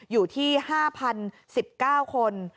อยู่ที่ห้าพันสิบเก้าคน